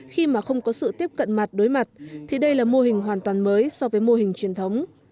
khi mà không có sự tiếp cận mặt đối mặt thì đây là mô hình hoàn toàn mới so với mô hình truyền thống